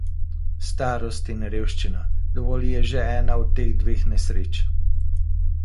Starost in revščina - dovolj je že ena od teh dveh nesreč.